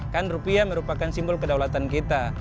kan rupiah merupakan simbol kedaulatan kita